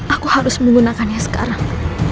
aku harus menggunakannya sekarang